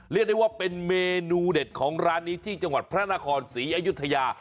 เรียกได้ว่าเป็นเมนูเด็ดของร้านนี้ที่จังหวัดพระนครศรีอยุธยา